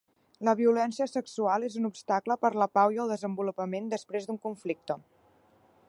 La violència sexual és un obstacle per la pau i el desenvolupament després d'un conflicte.